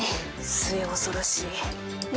末恐ろしいねえ